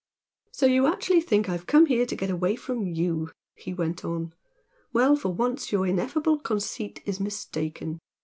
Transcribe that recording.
"So you actually think I have come here to get away from YOU?" he went on "Well for once your ineffable conceit is mistaken.